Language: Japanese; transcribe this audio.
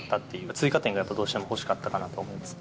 追加点がやっぱどうしても欲しかったかなとは思います。